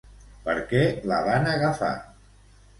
Per què la van agafar?